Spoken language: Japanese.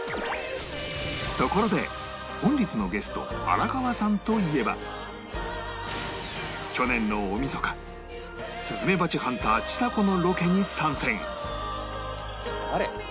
ところで本日のゲスト去年の大晦日スズメバチハンターちさ子のロケに参戦！